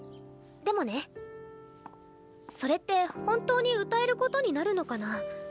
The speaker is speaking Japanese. でもねそれって本当に歌えることになるのかな。